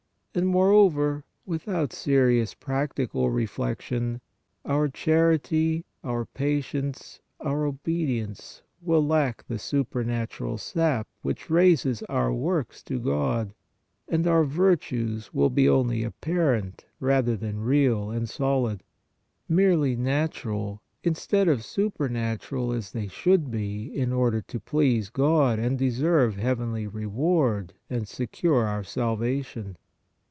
And moreover, without seri ous practical reflection our charity, our patience, our obedience will lack the supernatural sap, which raises our works to God, and our virtues will be only apparent rather than real and solid, merely natural instead of supernatural, as they should be, in order to please God and deserve heavenly re ward and secure our salvation.